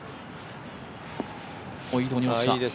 いいところに落ちた。